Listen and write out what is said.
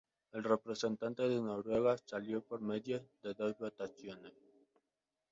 El representante de Noruega salió por medio de dos votaciones.